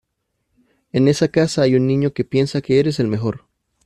En esa casa hay un niño que piensa que eres el mejor.